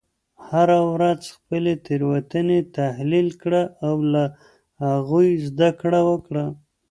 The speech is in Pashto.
هره ورځ خپلې تیروتنې تحلیل کړه او له هغوی زده کړه وکړه.